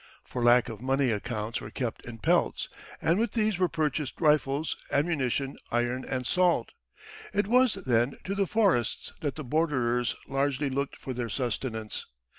For lack of money accounts were kept in pelts, and with these were purchased rifles, ammunition, iron, and salt. It was, then, to the forests that the borderers largely looked for their sustenance.